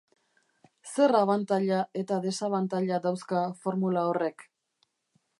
Zer abantaila eta desabantaila dauzka formula horrek?